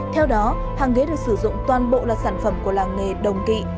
theo đó hàng ghế được sử dụng toàn bộ là sản phẩm của làng nghề đồng kỵ